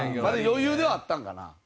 余裕ではあったんかな？